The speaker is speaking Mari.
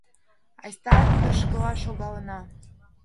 Айста тышкыла шогалына.